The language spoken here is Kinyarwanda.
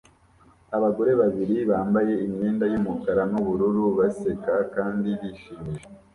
Abagore babiri bambaye imyenda yumukara nubururu baseka kandi bishimisha